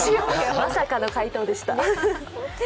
まさかの回答でした。